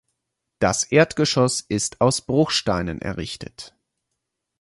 Das Erdgeschoss ist aus Bruchsteinen errichtet.